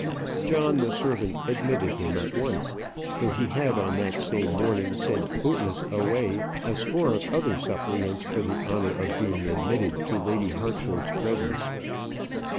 John, the servant, admitted him at once; though he had on that same morning sent bootless away a score of other suppliants for the honour of being admitted to Lady Harcourt's presence.